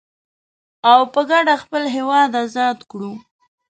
او په کډه خپل هيواد ازاد کړو.